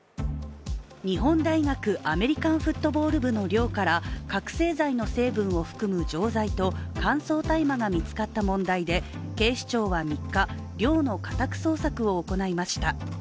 日本大学アメリカンフットボール部の寮から覚醒剤の成分を含む錠剤と乾燥大麻が見つかった問題で警視庁は３日、寮の家宅捜索を行いました。